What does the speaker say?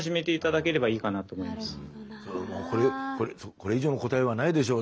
これ以上の答えはないでしょう。